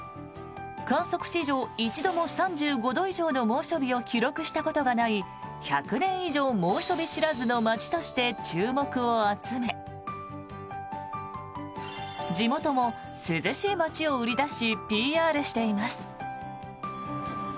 観測史上一度も３５度以上の猛暑日を記録したことがない１００年以上猛暑日知らずの街として注目を集め地元も涼しい街を売り出しＰＲしています。